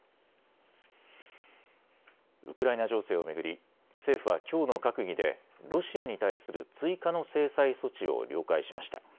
ウクライナ情勢を巡り政府はきょうの閣議でロシアに対する追加の制裁措置を了解しました。